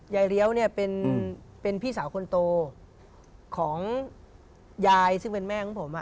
เลี้ยวเนี่ยเป็นพี่สาวคนโตของยายซึ่งเป็นแม่ของผม